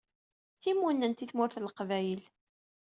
Timunent i tmurt n Leqbayel.